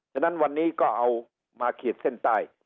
ฉะนั้นวันนี้ก็เอามาขีดเส้นใต้